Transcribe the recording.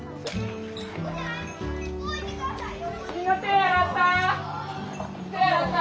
みんな手洗った？